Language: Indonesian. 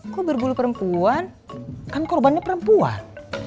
kok berbulu perempuan kan korbannya perempuan